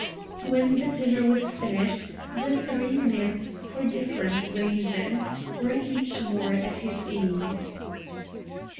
When the dinner was finished, the three men, for different reasons, were each more at his ease.